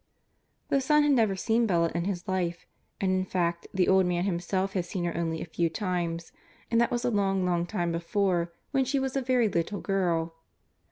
The son had never seen Bella in his life, and in fact the old man himself had seen her only a few times and that was a long, long time before, when she was a very little girl.